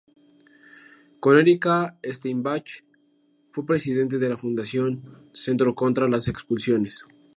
Con Erika Steinbach, fue presidente de la fundación Centro Contra las Expulsiones.